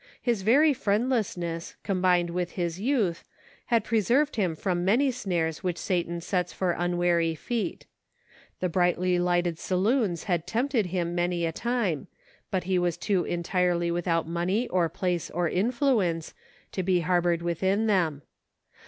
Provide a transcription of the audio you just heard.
His very friend lessness, combined with his youth, had preserved him from many snares which Satan sets for unwary feet. The brightly lighted saloons had tempted him many a time, but he was too entirely without money or place or influence, to be harbored within them.